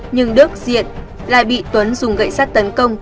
nhưng đức diện lại bị tuấn dùng gậy sắt tấn công